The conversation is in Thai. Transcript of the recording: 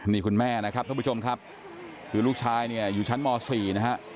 นี่คุณแม่นะครับท่านผู้ชมครับคือลูกชายเนี่ยอยู่ชั้นม๔นะฮะ